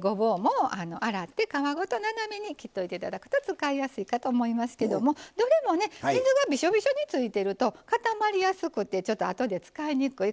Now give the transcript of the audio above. ごぼうも洗って皮ごと斜めに切っといていただくと使いやすいかと思いますけどもどれもね水がびしょびしょについてると固まりやすくてちょっとあとで使いにくい。